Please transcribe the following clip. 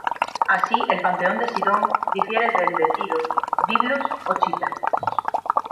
Así el panteón de Sidón difiere del de Tiro, Biblos o Chipre.